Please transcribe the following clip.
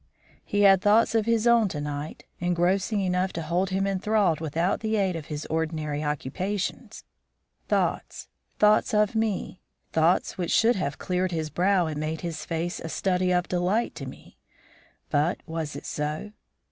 He had thoughts of his own to night, engrossing enough to hold him enthralled without the aid of his ordinary occupations; thoughts, thoughts of me, thoughts which should have cleared his brow and made his face a study of delight to me. But was it so?